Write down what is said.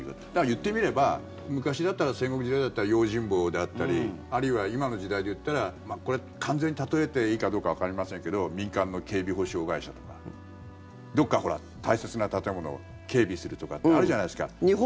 言ってみれば、昔だったら戦国時代だったら用心棒だったりあるいは今の時代で言ったらこれ、完全に例えていいかどうかわかりませんけど民間の警備保障会社とかどこか大切な建物を警備するとかってあるじゃないですか。